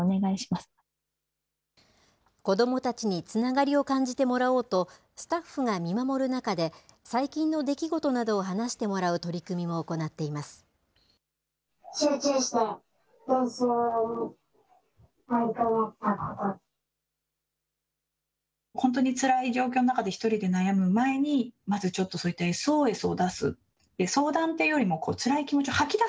子どもたちにつながりを感じてもらおうと、スタッフが見守る中で、最近の出来事などを話してもらう取り組みも行っています。